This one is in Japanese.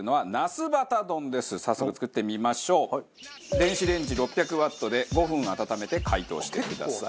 電子レンジ６００ワットで５分温めて解凍してください。